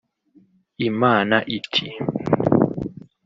Imana iti